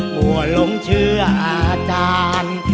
หัวหลงเชื่ออาจารย์